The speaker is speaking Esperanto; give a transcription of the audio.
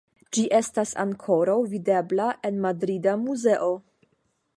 Ĝi estas ankoraŭ videbla en madrida muzeo.